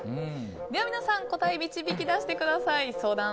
では皆さん答えを導き出してください。